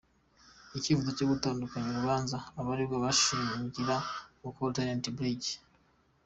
Icyifuzo cyo gutandukanya urubanza abaregwa bagishingira ku kuba Rtd Brig.